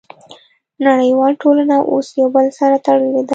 نړیواله ټولنه اوس یو بل سره تړلې ده